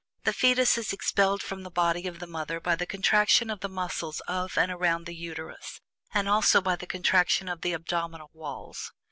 The fetus is expelled from the body of the mother by the contraction of the muscles of and around the Uterus, and also by the contraction of the abdominal walls.